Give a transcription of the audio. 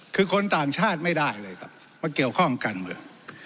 คือคนต่างชาติไม่ได้เลยครับมาเกี่ยวข้องการเมือง